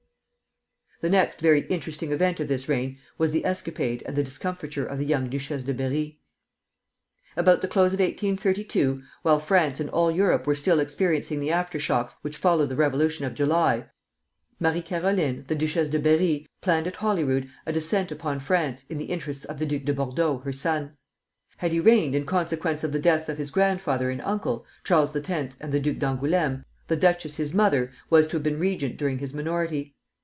The next very interesting event of this reign was the escapade and the discomfiture of the young Duchesse de Berri. About the close of 1832, while France and all Europe were still experiencing the after shocks which followed the Revolution of July, Marie Caroline, the Duchesse de Berri, planned at Holyrood a descent upon France in the interests of the Duc de Bordeaux, her son. Had he reigned in consequence of the deaths of his grandfather and uncle, Charles X. and the Duc d'Angoulême, the duchess his mother was to have been regent during his minority.